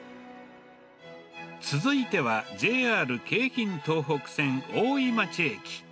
続いては、ＪＲ京浜東北線大井町駅。